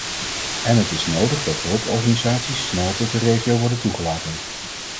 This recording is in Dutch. En het is nodig dat hulporganisaties snel tot de regio worden toegelaten.